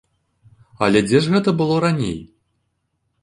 Але дзе ж гэта было раней?